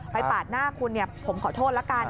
ปาดหน้าคุณผมขอโทษละกัน